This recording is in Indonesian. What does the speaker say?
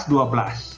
untuk kelas dua belas